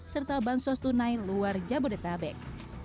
serta bansos tunai luar jabodetabek